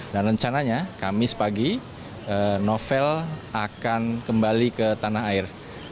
dan rencananya kamis pagi novel akan kembali ke tanah air